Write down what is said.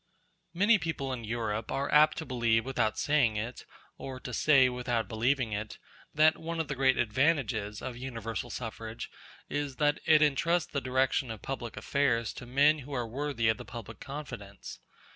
Many people in Europe are apt to believe without saying it, or to say without believing it, that one of the great advantages of universal suffrage is, that it entrusts the direction of public affairs to men who are worthy of the public confidence.